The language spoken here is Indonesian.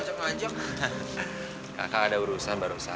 kita bisa menghilangkan peraturan selendang nimbaka